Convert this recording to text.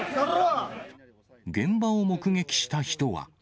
現場を目撃した人は。